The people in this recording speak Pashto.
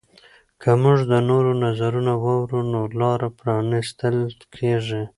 که موږ د نورو نظرونه واورو نو لاره پرانیستل کیږي.